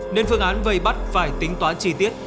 nên phương án vây bắt phải tính toán chi tiết